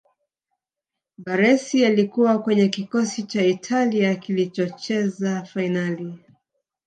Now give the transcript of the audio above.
baressi alikuwa kwenye kikosi cha italia kilichocheza fainali